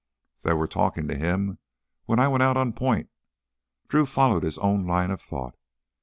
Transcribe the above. "They were talkin' to him when I went out on point." Drew followed his own line of thought.